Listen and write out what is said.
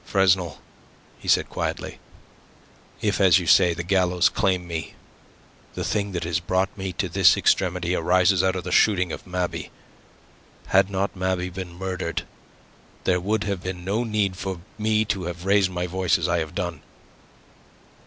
"Fresnel," he said, quietly, "if, as you say, the gallows claim me, the thing that has brought me to this extremity arises out of the shooting of Mabey. Had not Mabey been murdered there would have been no need for me to have raised my voice as I have done.